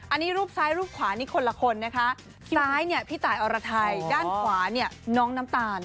อันนี้รูปซ้ายรูปขวานี่คนละคนนะคะซ้ายเนี่ยพี่ตายอรไทยด้านขวาเนี่ยน้องน้ำตาล